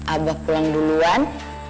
abah pulang duluan